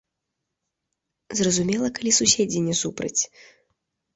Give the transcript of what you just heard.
Зразумела, калі суседзі не супраць.